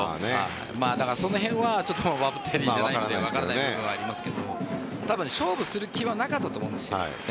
その辺はバッテリーじゃないので分からないというのはありますが多分、勝負する気はなかったと思うんです。